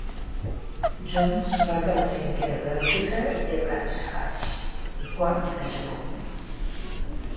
Jones va acabar cinquè a Bèlgica i a Brands Hatch, i quart a Japó.